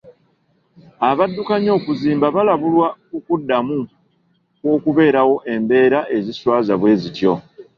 Abaddukanya okuzimba baalabulwa ku kuddamu kw'okubeerawo embeera eziswaza bwe zityo.